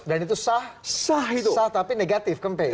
dan itu sah tapi negatif kempen